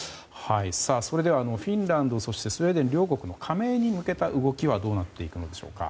それではフィンランドそしてスウェーデン両国の加盟に向けた動きはどうなっていくのでしょうか。